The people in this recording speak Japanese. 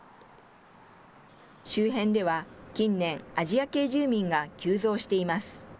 周辺では近年、アジア系住民が急増しています。